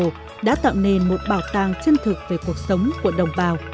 tượng gỗ đã tạo nên một bảo tàng chân thực về cuộc sống của đồng bào